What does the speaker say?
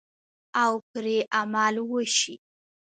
او پرې عمل وشي.